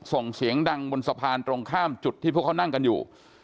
ส่งเสียงดังบนสะพานตรงข้ามจุดที่พวกเขานั่งกันอยู่